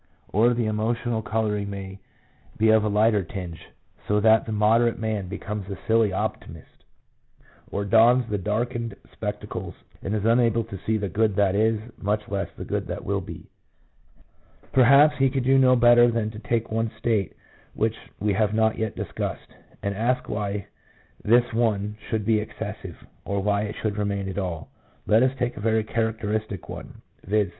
Or the emotional colouring may be of a lighter tinge, so that the moderate man becomes a silly optimist, or dons the darkened spectacles, and is unable to see the good that is, much less the good that will be." 1 Perhaps we could do no better than to take one state which we have not yet discussed, and ask why this one should be excessive, or why it should remain at all. Let us take a very characteristic one — viz.